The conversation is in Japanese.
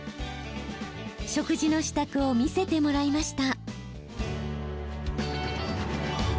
食事の支度を見せてもらいました。